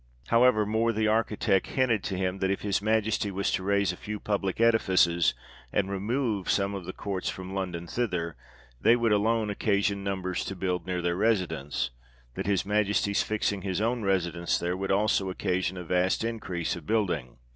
However, Moor the architect hinted to him, that if his Majesty was to raise a few public edifices, and remove some of the courts from London thither, they would alone occasion numbers to build near their residence ; that his Majesty's fixing his own residence there, would also occasion a vast increase of building.